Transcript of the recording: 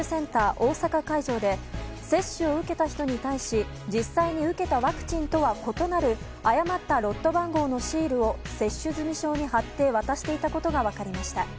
大阪会場で接種を受けた人に対し実際に受けたワクチンとは異なる誤ったロット番号のシールを接種済証に貼って渡していたことが分かりました。